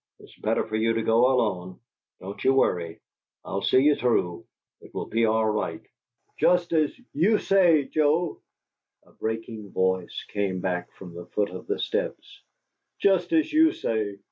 "It's better for you to go alone. Don't you worry. I'll see you through. It will be all right." "Just as YOU say, Joe," a breaking voice came back from the foot of the steps, "just as YOU say!"